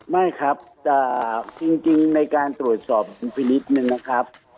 ไม่ครับจริงในการตรวจสอบดุลพินิษฐ์เนี่ยนะครับ